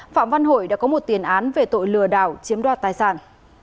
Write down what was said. phạm văn hội đã có một tiền án về tội lừa đảo chiếm đoạt tài sản